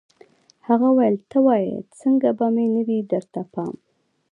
هغه ویل ته وایه څنګه به مې نه وي درته پام